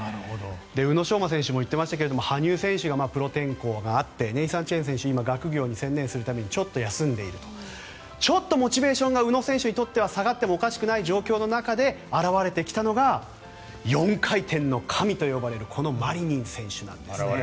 宇野昌磨選手も言っていましたが羽生選手のプロ転向があってネイサン・チェン選手が学業に専念するために休止していてモチベーションが宇野選手にとっては下がってもおかしくない状況の中で現れてきたのが４回転の神と呼ばれるマリニン選手なんですね。